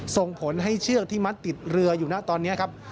ส่งผลให้เชือกที่มัดติดเรืออยู่นะตอนนี้ครับ